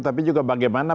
tapi juga bagaimana